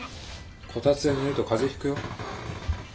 こたつで寝ると風邪ひくよ。